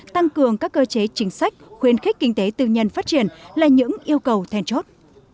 tăng cường các cơ chế chính sách khuyến khích kinh tế tư nhân phát triển là những yêu cầu thèn chốt